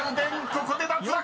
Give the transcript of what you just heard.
ここで脱落！］